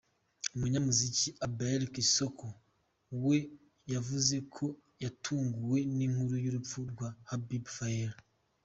Umunyamuziki Ablaye Cissoko we yavuze ko yatunguwe n’inkuru y’urupfu rwa Habib Faye.